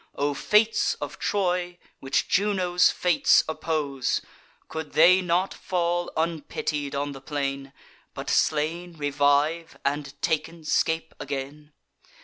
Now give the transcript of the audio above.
O fates of Troy, which Juno's fates oppose! Could they not fall unpitied on the plain, But slain revive, and, taken, scape again?